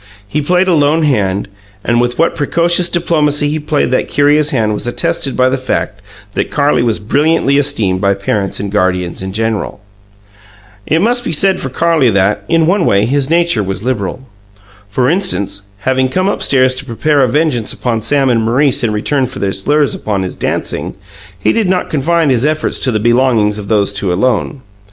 He played a lone hand, and with what precocious diplomacy he played that curious hand was attested by the fact that Carlie was brilliantly esteemed by parents and guardians in general. It must be said for Carlie that, in one way, his nature was liberal. For instance, having come upstairs to prepare a vengeance upon Sam and Maurice in return for their slurs upon his dancing, he did not confine his efforts to the belongings of those two alone.